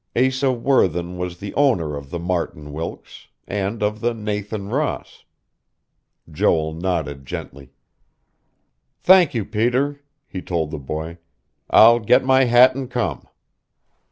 Asa Worthen was the owner of the Martin Wilkes, and of the Nathan Ross. Joel nodded gently. "Thank you, Peter," he told the boy. "I'll get my hat and come."